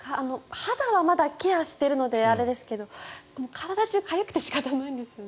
肌はまだケアしてるのであれですが体中かゆくて仕方ないんですよね。